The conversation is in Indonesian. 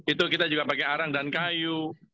itu kita juga pakai arang dan kayu